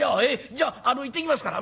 じゃあいってきますから」。